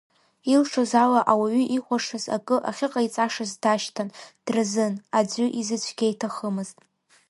Илшоз ала ауаҩы ихәашаз акы ахьыҟаиҵашаз дашьҭан, дразын, аӡәы изы цәгьа иҭахымызт.